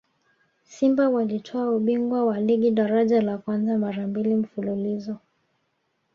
simba walitwaa ubingwa wa ligi daraja la kwanza mara mbili mfululizo